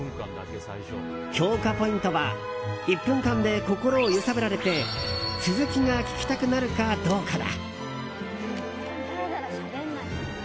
評価ポイントは１分間で心を揺さぶられて続きが聞きたくなるかどうかだ。